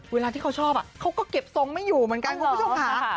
เวลาที่เขาชอบเขาก็เก็บทรงไม่อยู่เหมือนกันคุณผู้ชมค่ะ